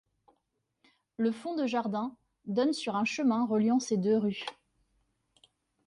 Le fond de jardin donne sur un chemin reliant ces deux rues.